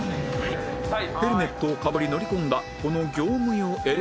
ヘルメットをかぶり乗り込んだこの業務用エレベーター